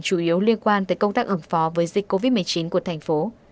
chủ yếu liên quan tới công tác ứng phó với dịch covid một mươi chín của thành phố